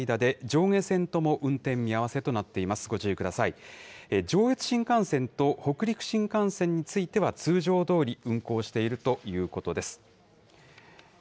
上越新幹線と北陸新幹線については、通常どおり運行しているということです。